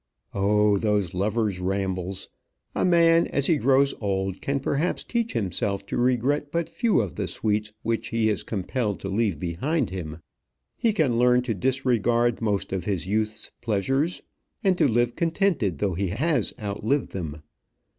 Oh, those lovers' rambles! A man as he grows old can perhaps teach himself to regret but few of the sweets which he is compelled to leave behind him. He can learn to disregard most of his youth's pleasures, and to live contented though he has outlived them.